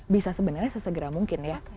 bisa sebenarnya sesegera mungkin ya